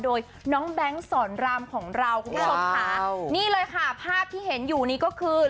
โดยน้องแบงค์สอนรามของเราคุณผู้ชมค่ะนี่เลยค่ะภาพที่เห็นอยู่นี้ก็คือ